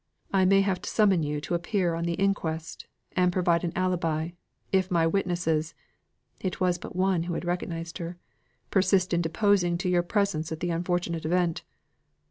I may have to summon you to appear on the inquest, and prove an alibi, if my witnesses" (it was but one who had recognised her) "persist in deposing to your presence at the unfortunate event."